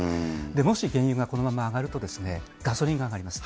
もし原油がこのまま上がると、ガソリンが上がります。